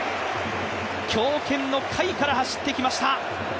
強肩の甲斐から走ってきました。